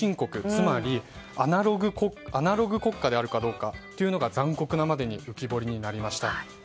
つまりアナログ国家であるかどうかというのが残酷なまでに浮き彫りになりました。